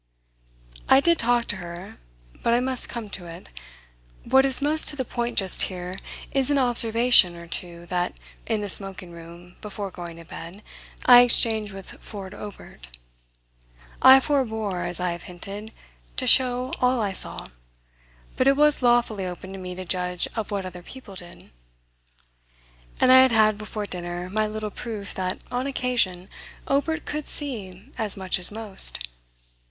I did talk to her, but I must come to it. What is most to the point just here is an observation or two that, in the smoking room, before going to bed, I exchanged with Ford Obert. I forbore, as I have hinted, to show all I saw, but it was lawfully open to me to judge of what other people did; and I had had before dinner my little proof that, on occasion, Obert could see as much as most.